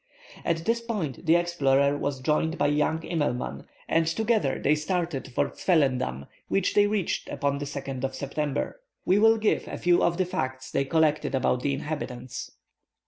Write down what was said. At this point the explorer was joined by young Immelman, and together they started for Zwellendam, which they reached upon the 2nd of September. We will give a few of the facts they collected about the inhabitants.